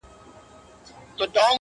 • ښايي پر غوږونو به ښه ولګیږي,